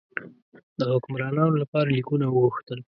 د حکمرانانو لپاره لیکونه وغوښتل.